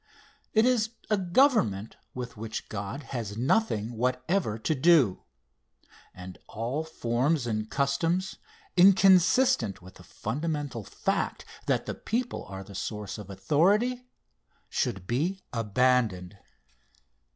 It is a Government with which God has nothing whatever to do and all forms and customs, inconsistent with the fundamental fact that the people are the source of authority, should be abandoned.